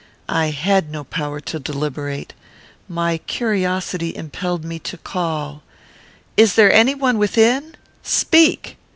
I had no power to deliberate. My curiosity impelled me to call, "Is there any one within? Speak."